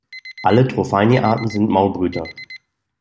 Alle Tropheini-Arten sind Maulbrüter.